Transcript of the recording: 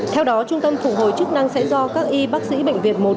theo đó trung tâm phù hồi chức năng sẽ do các y bác sĩ bệnh viện một trăm chín mươi chín